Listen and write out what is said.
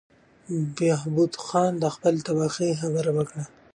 بهبود خان د خپلې تباهۍ خبره وکړه.